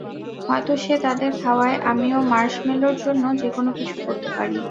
হয়তো সে তাদের খাওয়ায়, আমিও মার্শমেলোর জন্য যেকোন কিছু করতে পারি।